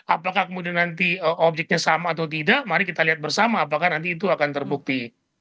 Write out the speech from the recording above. apakah kemudian nanti objeknya sama atau tidak mari kita lihat bersama apakah nanti itu akan terbukti